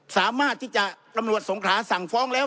สามารถที่จะตำรวจสงขาสั่งฟ้องแล้ว